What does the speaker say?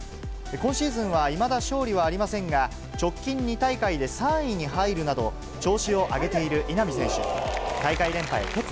今シーズンは、いまだ勝利はありませんが、直近２大会で３位に入るなど、調子を上げている稲見選手。